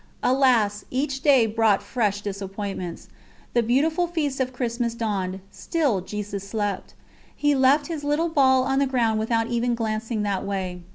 Alas! each day brought fresh disappointments. The beautiful feast of Christmas dawned; still Jesus slept. He left His little ball on the ground without even glancing that way.